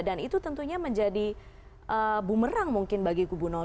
dan itu tentunya menjadi bumerang mungkin bagi kubu dua